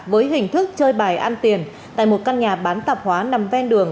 với hình thức chơi bài ăn tiền tại một căn nhà bán tạp hóa nằm ven đường